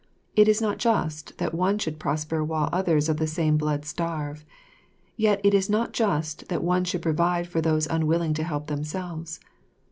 It is not just that one should prosper while others of the same blood starve; yet it is not just that one should provide for those unwilling to help themselves.